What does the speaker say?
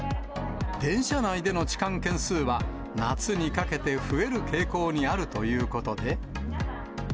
電車内での痴漢件数は、夏にかけて増える傾向にあるということで。